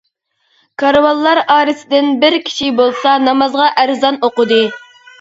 كارۋانلار ئارىسىدىن بىر كىشى بولسا نامازغا ئەرزان ئوقۇدى.